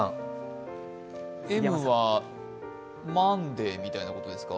Ｍはマンデーみたいなことですか？